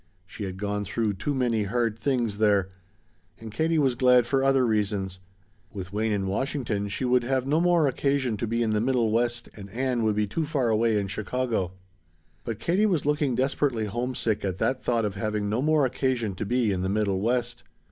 She had gone through too many hard things there. And Katie was glad for other reasons. With Wayne in Washington, she would have no more occasion to be in the middle west and Ann would be too far away in Chicago. But Katie was looking desperately homesick at that thought of having no more occasion to be in the middle west.